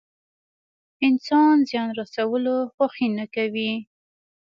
انسان زيان رسولو خوښي نه کوي.